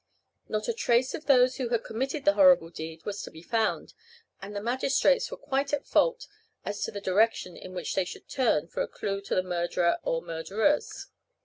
Not a trace of those who had committed the horrible deed was to be found, and the magistrates were quite at fault as to the direction in which they should turn for a clew to the murderer or murderers.